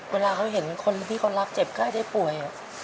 เวลาเขาเห็นคนที่เขารักเจ็บไข้ได้ป่วย